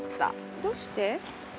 どうして？